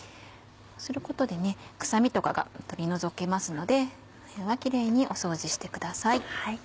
することで臭みとかが取り除けますのでこれはキレイにお掃除してください。